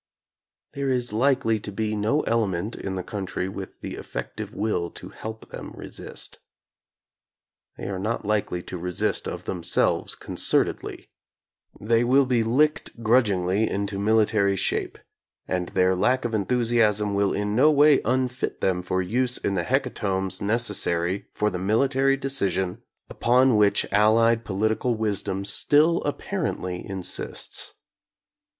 There is likely to be no element in the country with the effective will to help them resist. They are not likely to resist of themselves con certedly. They will be licked grudgingly into military shape, and their lack of enthusiasm will in no way unfit them for use in the hecatombs nec essary for the military decision upon which Allied political wisdom still apparently insists.